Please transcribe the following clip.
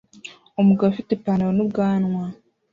Umugabo ufite Ipanaro n'ubwanwa